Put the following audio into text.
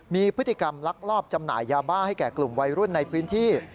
มีพฤติกรรมลักลอบจำหน่ายยาบ้าให้แก่กลุ่มวัยรุ่นในพื้นที่